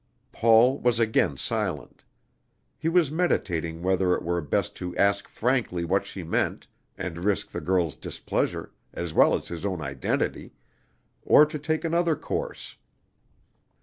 Paul was again silent. He was meditating whether it were best to ask frankly what she meant, and risk the girl's displeasure, as well as his own identity, or to take another course.